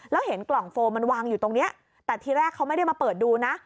แล้วเห็นกล่องโฟมมันวางอยู่ตรงนี้แต่ทีแรกเขาไม่ได้มาเปิดดูนะ